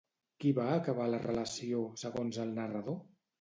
Qui va acabar la relació, segons el narrador?